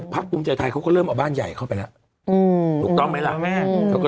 พรักบรุงใจไทยเขาก็เริ่มเอาบ้านใหญ่เข้าไปละอืมถูกต้อง